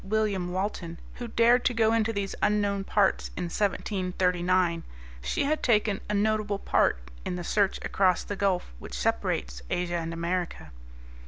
William Walton, who dared to go into these unknown parts in 1739, she had taken a notable part in the search across the gulf which separates Asia and America.